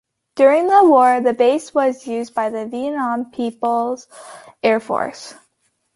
During the war the base was used by the Vietnam People's Air Force.